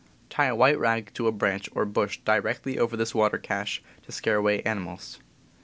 Tie a white rag to a branch or bush directly over this water cache, to scare away animals.